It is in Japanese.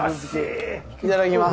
いただきます。